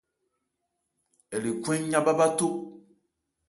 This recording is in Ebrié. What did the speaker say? Ɛ le khwɛ́n nyá bhá bháthó.